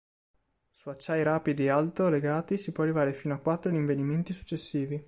Su acciai rapidi e alto legati si può arrivare fino a quattro rinvenimenti successivi.